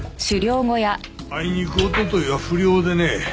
あいにくおとといは不猟でね。